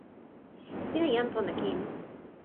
sina jan pona kin.